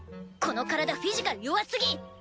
この体フィジカル弱すぎ！